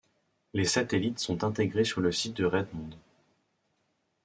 Les satellites sont intégrés sur le site de Redmond.